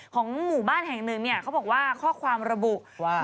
ของหมู่บ้านแห่งหนึ่งเนี่ยเขาบอกว่าข้อความระบุว่า